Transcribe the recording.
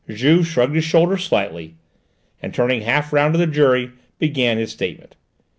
Juve shrugged his shoulders slightly, and, turning half round to the jury, began his statement.